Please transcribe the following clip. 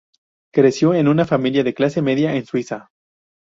Creció en una familia de clase media en Suiza.